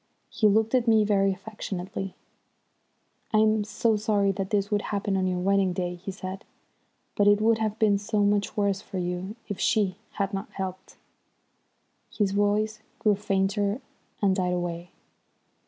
He looked at me very affectionately. "I'm so sorry that this should happen on your wedding day," he said. "But it would have been so much worse for you if she had not helped." His voice grew fainter and died away.